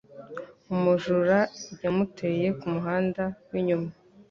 Umujura yamuteye kumuhanda winyuma.